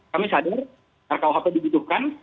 kami sadar rkuhp dibutuhkan